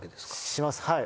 しますはい。